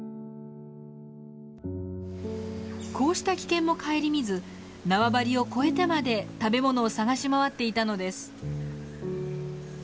こうした危険も顧みず縄張りを越えてまで食べ物を探し回っていたのです。